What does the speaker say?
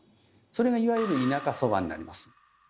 それがいわゆる「田舎そば」になります。